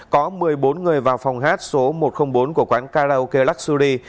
có một mươi bốn người vào phòng hát số một trăm linh bốn của quán karaoke luxury